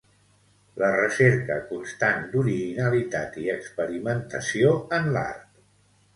La recerca constant d'originalitat i experimentació en l'art.